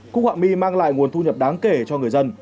cúc họa my mang lại nguồn thu nhập đáng kể cho người dân